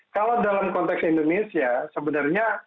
kalau dalam konteks indonesia sebenarnya